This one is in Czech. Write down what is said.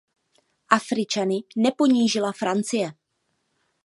Afričany neponížila Francie.